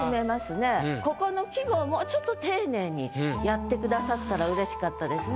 ここの季語をもうちょっと丁寧にやってくださったらうれしかったですね。